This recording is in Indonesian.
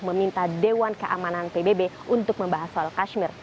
meminta dewan keamanan pbb untuk membahas soal kashmir